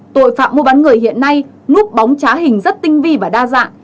tội phạm mua bán người hiện nay núp bóng trá hình rất tinh vi và đa dạng